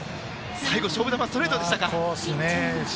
最後、勝負球ストレートでしたか。